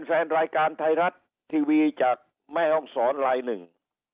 แฟนรายการไทยรัฐทีวีจากแม่ห้องศรลายหนึ่ง